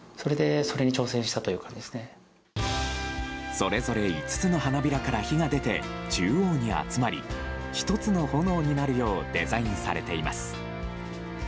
それぞれ５つの花びらから火が出て、中央に集まり１つの炎になるようデザインされています。